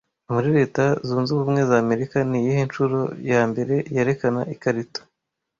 Muri Reta zunzubumwe zamerika niyihe nshuro yambere yerekana ikarito